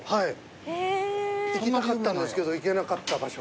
行きたかったんですけど行けなかった場所。